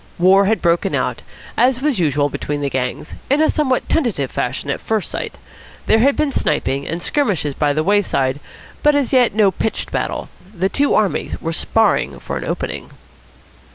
War had broken out, as was usual between the gangs, in a somewhat tentative fashion at first sight. There had been sniping and skirmishes by the wayside, but as yet no pitched battle. The two armies were sparring for an opening.